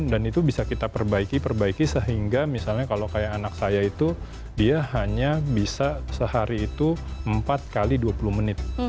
dan itu bisa kita perbaiki perbaiki sehingga misalnya kalau kayak anak saya itu dia hanya bisa sehari itu empat kali dua puluh menit